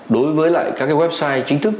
đối với lại các cái website chính thức